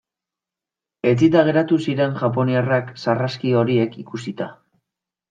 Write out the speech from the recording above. Etsita geratu ziren japoniarrak sarraski horiek ikusita.